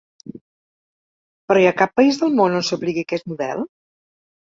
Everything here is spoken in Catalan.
Però hi ha cap país del món on s’apliqui aquest model?